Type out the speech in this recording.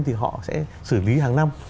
thì họ sẽ xử lý hàng năm